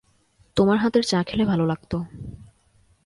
তোমার হাতের চা খেলে ভালো লাগত।